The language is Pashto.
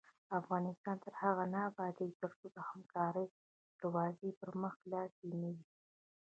افغانستان تر هغو نه ابادیږي، ترڅو د همکارۍ دروازې پر مخ خلاصې نه وي.